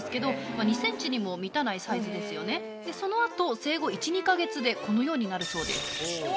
その後生後１２か月でこのようになるそうです。